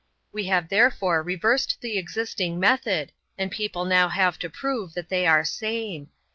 We have therefore reversed the existing method, and people now have to prove that they are sane.